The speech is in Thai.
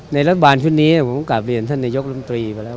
รัฐบาลชุดนี้ผมกลับเรียนท่านนายกรมตรีไปแล้ว